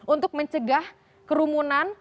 untuk mencegah kerumunan